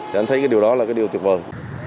để anh thấy cái điều đó là cái điều tuyệt vời